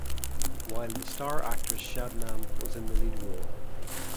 While the star actress Shabnam was in the lead role.